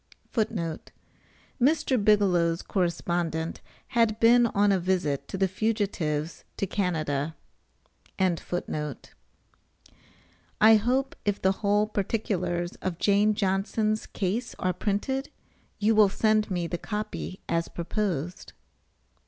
[Footnote A: Mr. Bigelow's correspondent had been on a visit to the fugitives to Canada.] I hope if the whole particulars of Jane Johnson's case[B] are printed, you will send me the copy as proposed.